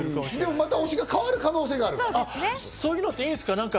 また推しが変わる可能性もあるからね。